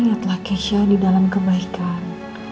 ingatlah kesha di dalam kebaikan